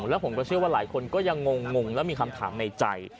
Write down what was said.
แล้วผมก็เชื่อว่าหลายคนก็ยังงงและมีคำถามในใจ